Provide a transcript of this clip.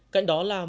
cạnh đó là một